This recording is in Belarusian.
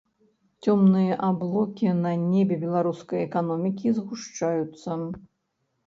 Цёмныя аблокі на небе беларускай эканомікі згушчаюцца.